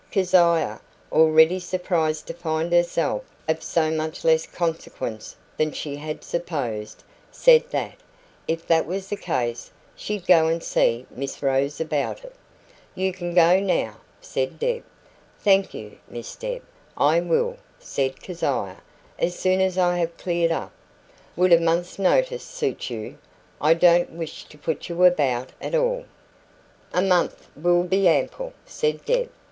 Keziah, also surprised to find herself of so much less consequence than she had supposed, said that, if that was the case, she'd go and see Miss Rose about it. "You can go now," said Deb. "Thank you, Miss Deb, I will," said Keziah, "as soon as I have cleared up. Would a month's notice suit you? I don't wish to put you about at all." "A month will be ample," said Deb.